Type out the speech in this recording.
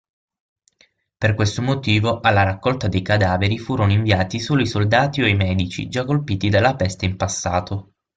Per questo motivo, alla raccolta dei cadaveri furono inviati solo i soldati o i medici già colpiti dalla peste in passato.